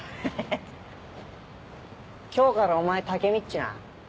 「今日からお前タケミっちな」